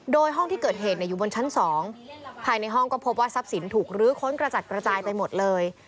โดยห้องที่เกิดเหตุอยู่บนชั้น๒ภายในห้องก็พบว่าทรัพย์สินถูกลื้อค้นกระจัดกระจายไปหมดเลย